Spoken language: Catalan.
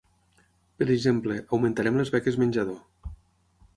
Per exemple, augmentarem les beques menjador.